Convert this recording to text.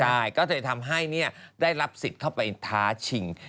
ใช่ก็จะทำให้นี้ได้รับศิษย์เข้าไปท้าชิง